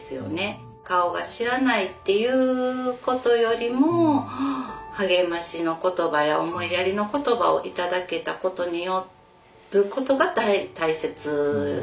顔が知らないっていうことよりも励ましの言葉や思いやりの言葉を頂けたことによることが大切でしたね。